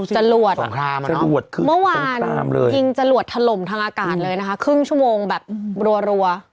จรวดขึ้นเมื่อวานยิงจรวดถล่มทางอากาศเลยนะคะครึ่งชั่วโมงแบบรัว